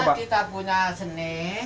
karena kita punya seni